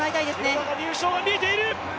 廣中、入賞が見えている。